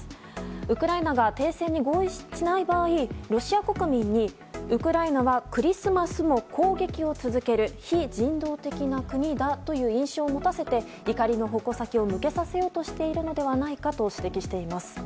ウクライナが停戦に合意しない場合ロシア国民にウクライナはクリスマスも攻撃を続ける非人道的な国だという印象を持たせて怒りの矛先を向けさせようとしているのではないかと指摘しています。